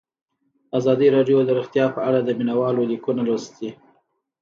ازادي راډیو د روغتیا په اړه د مینه والو لیکونه لوستي.